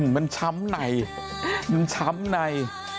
มันช้ำในมันช้ำใน